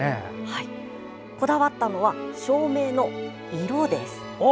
こだわったのは、照明の色です。